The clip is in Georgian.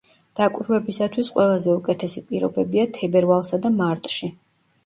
დაკვირვებისათვის ყველაზე უკეთესი პირობებია თებერვალსა და მარტში.